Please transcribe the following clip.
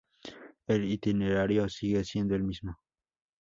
El itinerario sigue siendo el mismo